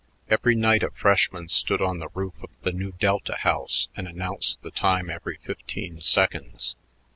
Every night a freshman stood on the roof of the Nu Delta house and announced the time every fifteen seconds.